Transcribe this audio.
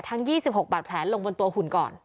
๒๖บาดแผลลงบนตัวหุ่นก่อน